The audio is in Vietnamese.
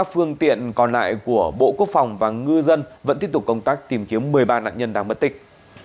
hiện còn lại của bộ quốc phòng và ngư dân vẫn tiếp tục công tác tìm kiếm một mươi ba nạn nhân đang mất tịch